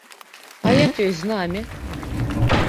А як ёсць з намі?